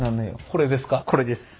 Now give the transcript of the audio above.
これです。